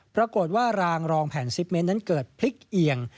ปรากฏว่ารางรองแผ่นซิปเมนต์นั้นเกิดพลิกเอียง